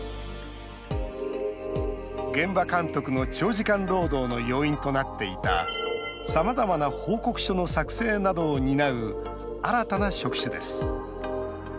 現場監督の長時間労働の要因となっていたさまざまな報告書の作成などを担う新たな職種です。